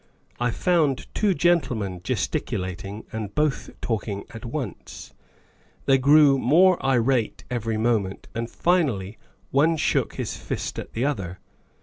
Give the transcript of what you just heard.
I found two gen tlemen gesticulating and both talking at once; they grew more irate every moment and finally one shook his fist at the other.